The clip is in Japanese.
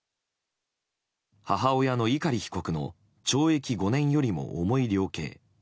母親の碇被告の懲役５年よりも重い量刑。